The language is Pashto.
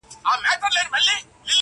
پر مردارو وي راټول پر لویو لارو!.